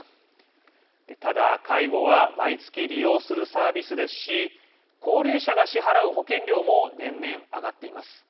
ただ、介護は毎月利用するサービスですし高齢者が支払う保険料も年々、上がっています。